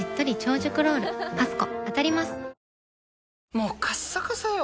もうカッサカサよ